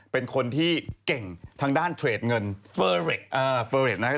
เป็นคนที่เก่งทางด้านเทรดเงินเฟอร์เรคเออเฟอร์เรคนะฮะ